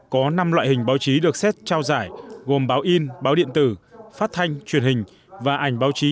có năm loại hình báo chí được xét trao giải gồm báo in báo điện tử phát thanh truyền hình và ảnh báo chí